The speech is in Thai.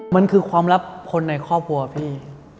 มันคือความลับคนในครอบครัวพี่